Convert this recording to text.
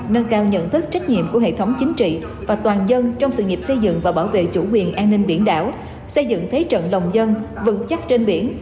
nâng cao nhận thức trách nhiệm của hệ thống chính trị và toàn dân trong sự nghiệp xây dựng và bảo vệ chủ quyền an ninh biển đảo xây dựng thế trận lòng dân vững chắc trên biển